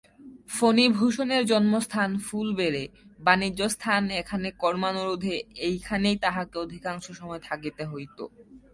ফণিভূষণের জন্মস্থান ফুলবেড়ে, বাণিজ্যস্থান এখানে কর্মানুরোধে এইখানেই তাহাকে অধিকাংশ সময় থাকিতে হইত।